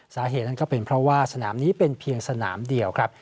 สาเหตุนั้นก็เป็นเพราะว่าสนามนี้เป็นเพียงสนามเดียวครับ